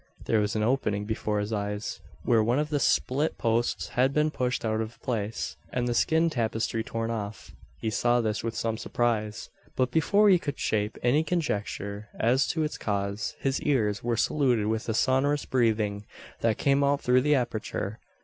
There was an opening before his eyes; where one of the split posts had been pushed out of place, and the skin tapestry torn off. He saw this with some surprise; but, before he could shape any conjecture as to its cause, his ears were saluted with a sonorous breathing, that came out through the aperture.